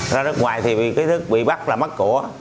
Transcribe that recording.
ra nước ngoài thì cái thức bị bắt là mất của